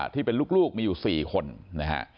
ที่เป็นลูกมีอยู่๔คนนะฮะ